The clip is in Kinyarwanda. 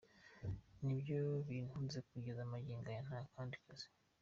Nibyo bintunze kugeza magingo aya ntakandi kazi.